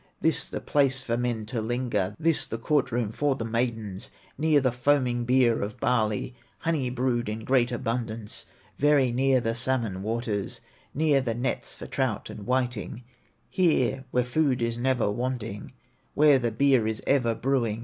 This the place for men to linger, This the court room for the maidens, Near the foaming beer of barley, Honey brewed in great abundance, Very near, the salmon waters, Near, the nets for trout and whiting, Here where food is never wanting, Where the beer is ever brewing.